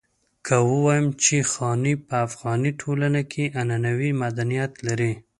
که ووايم چې خاني په افغاني ټولنه کې عنعنوي مدنيت لري.